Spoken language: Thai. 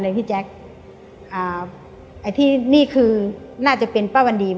ได้ไม่ถึงเจ็ดวันเลยพี่แจ๊คอ่าไอ้ที่นี่คือน่าจะเป็นป้าวันดีม